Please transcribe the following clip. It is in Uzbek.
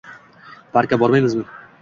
Parkka bormaymizmi?